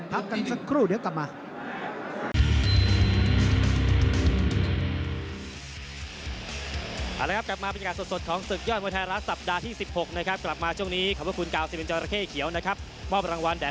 พักกันสักครู่เดี๋ยวกลับมา